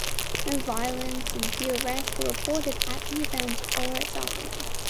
No violence and few arrests were reported at the event or its aftermath.